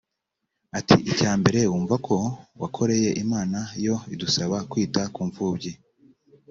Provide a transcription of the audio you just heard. Ati “Icya mbere wumva ko wakoreye Imana yo idusaba kwita ku mfubyi